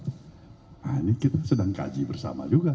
nah ini kita sedang kaji bersama juga